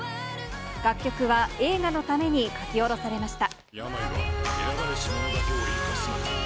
楽曲は映画のために書き下ろされました。